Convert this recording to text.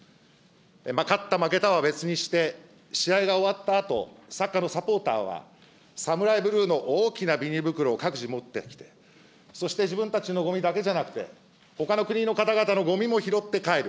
勝った、負けたは別にして、試合が終わったあと、サッカーのサポーターは、サムライブルーの大きなビニール袋を各自持ってきて、そして自分たちのごみだけじゃなくて、ほかの国の方々のごみも拾って帰る。